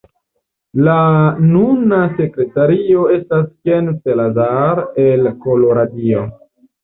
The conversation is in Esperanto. La nuna sekretario estas Ken Salazar el Koloradio.